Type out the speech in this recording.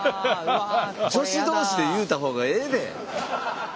女子同士で言うた方がええで。